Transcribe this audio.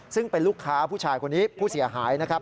ซึ่งเป็นลูกค้าผู้ชายคนนี้ผู้เสียหายนะครับ